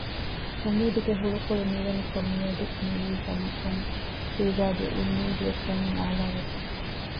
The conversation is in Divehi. އުންމީދުގެ ހުޅުކޮޅު ނިވެނިކޮށް މިއަދު މިވީ ކަމަކުން ޝީޒާގެ އުންމީދުވެސް ވަނީ އާލާވެފަ